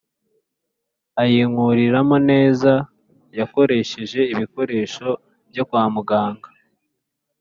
ayinkuriramo neza yakoresheje ibikoresho byo kwa muganga,